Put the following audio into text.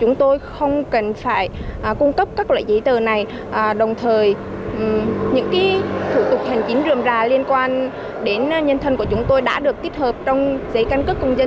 chúng tôi không cần phải cung cấp các loại giấy tờ này đồng thời những thủ tục hành chính dườm rà liên quan đến nhân thân của chúng tôi đã được tích hợp trong giấy căn cước công dân